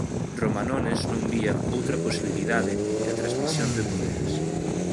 Romanones non vía outra posibilidade que a transmisión de poderes.